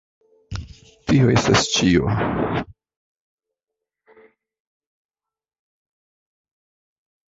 Tio estas ĉio